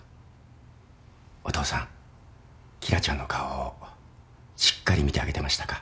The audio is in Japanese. お父さん紀來ちゃんの顔をしっかり見てあげてましたか？